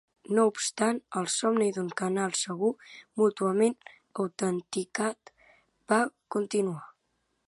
No obstant, el somni d'un canal segur mútuament autenticat va continuar.